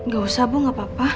gak usah bu gak apa apa